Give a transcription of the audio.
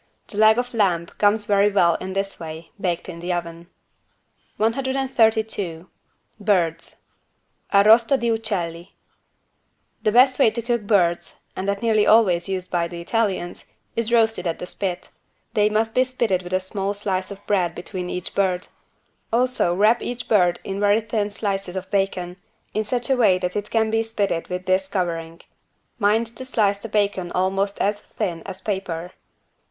The leg of lamb comes very well in this way, baked in the oven. 132 BIRDS (Arrosto di uccelli) The best way to cook birds, and that nearly always used by the Italians, is roasted at the spit. They must be spitted with a small slice of bread between each bird. Also wrap each bird in very thin slices of bacon, in such a way that it can be spitted with this covering. Mind to slice the bacon almost as thin as paper.